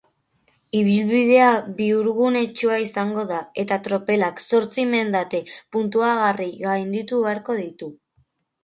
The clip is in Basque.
Ibilbidea bihurgunetsua izango da eta tropelak zortzi mendate puntuagarri gainditu beharko ditu.